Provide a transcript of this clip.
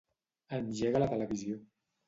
Engega la televisió.